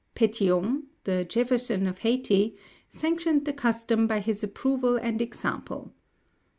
Pétion, the Jefferson of Hayti, * sanctioned the custom by his approval and example.